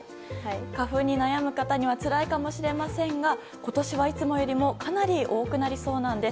花粉に悩む方にはつらいかもしれませんが今年はいつもよりかなり多くなりそうなんです。